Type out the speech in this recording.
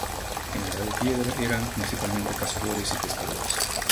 En la Edad de Piedra, eran principalmente cazadores y pescadores.